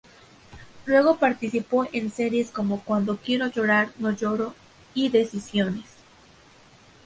Luego participó en series como "Cuando quiero llorar no lloro" y "Decisiones".